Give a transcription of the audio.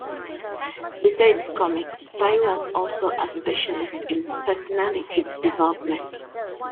Besides comics, Pai was also a specialist in personality development.